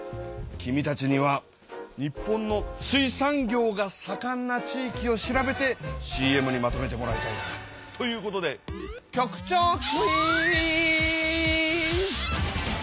君たちには日本の「水産業がさかんな地域」を調べてＣＭにまとめてもらいたい。ということで局長クイズ！